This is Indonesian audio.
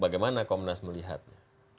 bagaimana komnas melihatnya